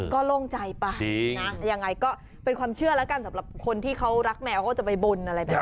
ก็โล่งใจไปนะยังไงก็เป็นความเชื่อแล้วกันสำหรับคนที่เขารักแมวก็จะไปบนอะไรแบบนี้